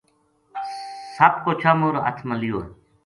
سپ کو چھامر ہتھ ما لیو ہے